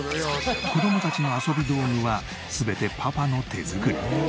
子供たちの遊び道具は全てパパの手作り。